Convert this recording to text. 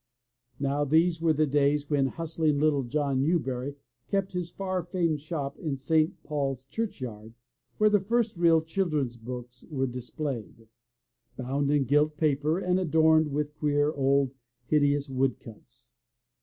Now these were the days when hustling little John Kewbery kept his far famed shop in St. Paul's Churchyard, where the first real children's books were displayed, bound in gilt paper and adorned with queer, old, hideous wood cuts.